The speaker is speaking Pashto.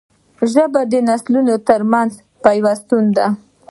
ژبه د نسلونو ترمنځ پیوستون دی